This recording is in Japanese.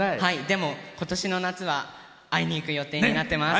でも今年の夏は会いに行く予定になってます！